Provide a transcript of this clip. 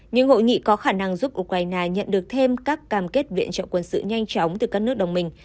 những hội nghị có khả năng giúp ukraine nhận được thêm các cam kết viện trợ quân sự nhanh chóng từ các nước đồng minh